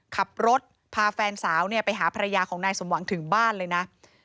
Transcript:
ขับรถพาแฟนสาวไปหาภรรยาของนายสมหวังถึงบ้านเลยนะ